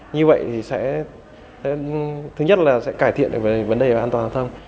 như vậy thì sẽ thứ nhất là sẽ cải thiện về vấn đề an toàn thông